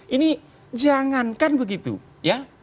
ini jangankan begitu ya